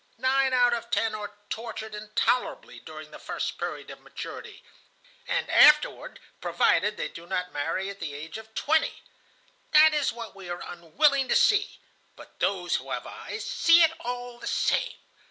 Nine out of ten are tortured intolerably during the first period of maturity, and afterward provided they do not marry at the age of twenty. That is what we are unwilling to see, but those who have eyes see it all the same.